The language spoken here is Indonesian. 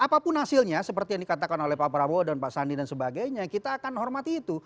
apapun hasilnya seperti yang dikatakan oleh pak prabowo dan pak sandi dan sebagainya kita akan hormati itu